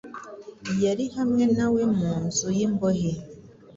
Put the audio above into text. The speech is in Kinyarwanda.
yari hamwe nawe mu nzu y’imbohe